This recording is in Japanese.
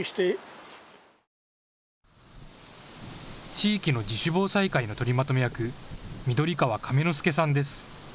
地域の自主防災会の取りまとめ役、緑川亀之輔さんです。